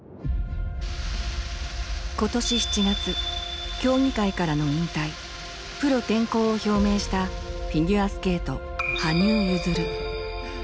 今年７月競技会からの引退プロ転向を表明したフィギュアスケート羽生結弦。